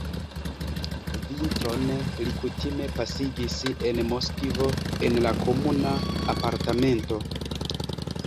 Vintron li kutime pasigis en Moskvo, en la komuna apartamento.